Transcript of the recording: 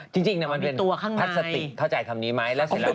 จริงมันเป็นพลาสติกเข้าใจคำนี้ไหม